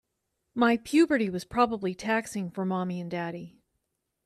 My puberty was probably taxing for mommy and daddy.